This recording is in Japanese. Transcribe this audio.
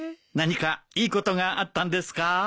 何かいいことがあったんですか？